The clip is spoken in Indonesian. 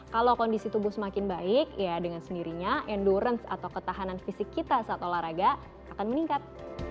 kalau kondisi tubuh semakin baik ya dengan sendirinya endurance atau ketahanan fisik kita saat olahraga akan meningkat